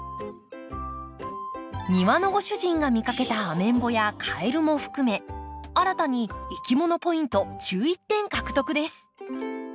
庭のご主人が見かけたアメンボやカエルも含め新たにいきものポイント１１点獲得です。